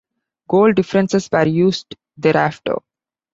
Goal differences were used thereafter.